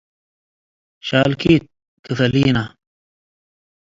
ሻልኪት ክፈሊነ